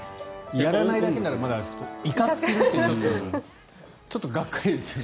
やらないだけならまだあれですが威嚇するってちょっとがっくりですよね。